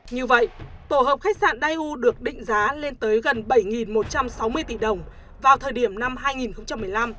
như vậy tổ hợp khách sạn daiu được định giá lên tới gần bảy một trăm sáu mươi tỷ đồng vào thời điểm năm hai nghìn một mươi năm